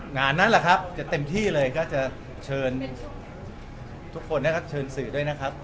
งานนั้นแหละครับจะเต็มที่เลยก็จะเชิญทุกคนนะครับเชิญสื่อด้วยนะครับ